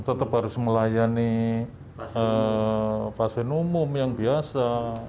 tetap harus melayani pasien umum yang biasa